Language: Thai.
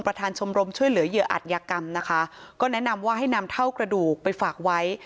ชมรมช่วยเหลือเหยื่ออัตยกรรมนะคะก็แนะนำว่าให้นำเท่ากระดูกไปฝากไว้